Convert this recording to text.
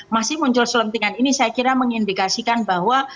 masih muncul selentingan ini saya kira mengindikasikan bahwa